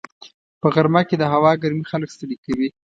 په غرمه کې د هوا ګرمي خلک ستړي کوي